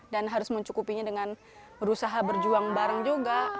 dan harus mencukupinya dengan berusaha berjuang bareng juga